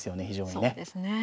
非常にね。